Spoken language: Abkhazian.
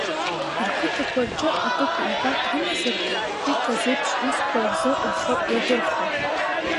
Рқыҭақәа рҿы акык-ҩбак рымазаргьы урҭ азеиԥш усқәа рзы рхы иадырхәон.